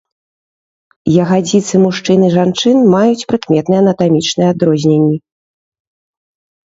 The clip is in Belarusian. Ягадзіцы мужчын і жанчын маюць прыкметныя анатамічныя адрозненні.